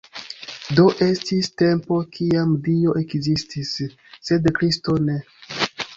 Do estis tempo kiam Dio ekzistis, sed Kristo ne.